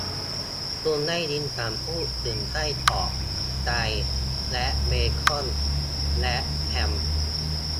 คุณได้ยินฉันพูดถึงไส้กรอก ไตและเบคอนและแฮม